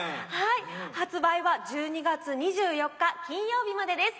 発売は１２月２４日金曜日までです。